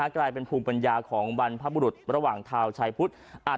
กลายเป็นภูมิปัญญาของบรรพบุรุษระหว่างทาวชายพุทธ